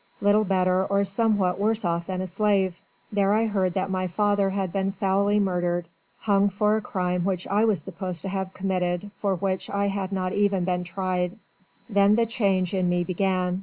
little better or somewhat worse off than a slave. There I heard that my father had been foully murdered hung for a crime which I was supposed to have committed, for which I had not even been tried. Then the change in me began.